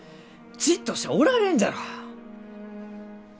じっとしちゃおられんじゃろう？